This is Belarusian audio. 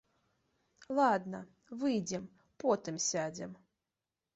Ладна, выйдзем, потым сядзем.